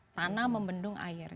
tanah membendung air